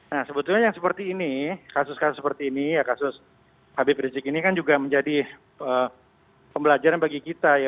nah sebetulnya yang seperti ini kasus kasus seperti ini ya kasus habib rizik ini kan juga menjadi pembelajaran bagi kita ya